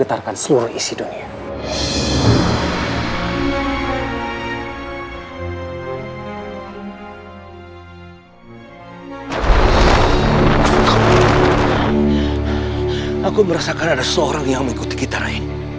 aku merasakan ada seseorang yang mengikuti kita ray